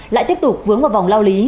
lại tiếp tục vướng vào vòng lao lý